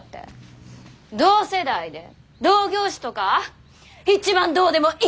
同世代で同業種とか一番どうでもいい！